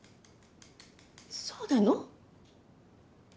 そうなの？